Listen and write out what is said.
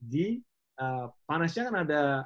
di panasya kan ada